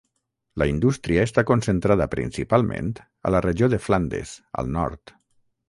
La indústria està concentrada principalment a la regió de Flandes, al nord.